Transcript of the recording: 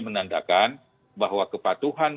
menandakan bahwa kepatuhan